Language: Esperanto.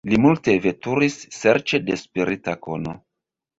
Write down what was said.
Li multe veturis serĉe de spirita kono.